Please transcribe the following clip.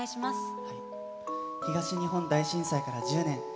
東日本大震災から１０年。